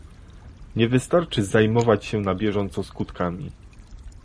Nie wystarczy zajmować się na bieżąco skutkami